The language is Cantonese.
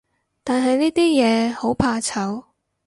但係呢啲嘢，好怕醜